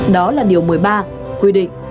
đó là điều một mươi ba quy định